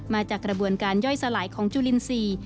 มาจากกระบวนการย่อยสลายของจุลินทรีย์